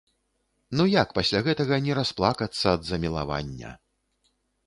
Ну як пасля гэтага не расплакацца ад замілавання!